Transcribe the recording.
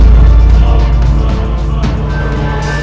mereka itu semua mukkas